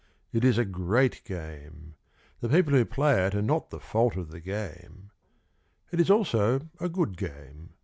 It is a great game: The people who play it are not the fault of the game. It is also a good game.